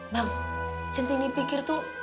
bang centini pikir tuh